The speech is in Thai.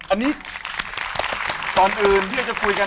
อันนี้ก่อนอื่นที่เราจะคุยกัน